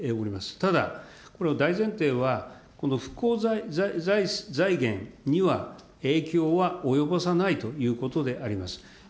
ただこの大前提は、復興財源には、影響は及ぼさないということであります。